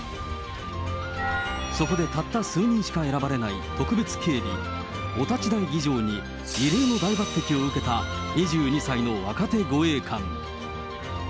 そこでたった数人しか選ばれない特別警備、お立ち台儀じょうに異例の大抜てきを受けた２２歳の若手護衛官。